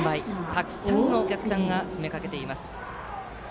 たくさんのお客さんが詰め掛けています。